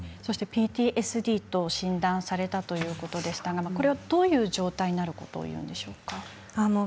ＰＴＳＤと診断されたということですがこれはどういう状態になることをいうんでしょうか。